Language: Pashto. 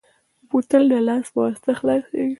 بوتل د لاس په واسطه خلاصېږي.